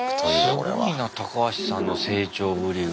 すごいなタカハシさんの成長ぶりが。